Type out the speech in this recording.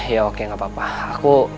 ya oke gak apa apa